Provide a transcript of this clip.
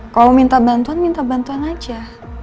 kalau minta bantuan minta bantuan aja